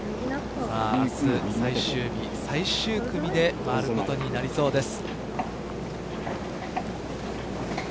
明日最終日、最終組で回ることになりそうです。